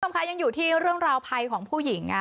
คุณผู้ชมคะยังอยู่ที่เรื่องราวภัยของผู้หญิง